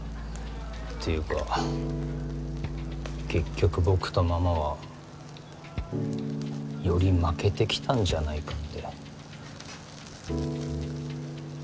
ていうか結局僕とママはより負けてきたんじゃないかって。